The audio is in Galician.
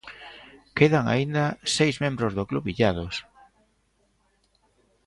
Quedan aínda seis membros do club illados.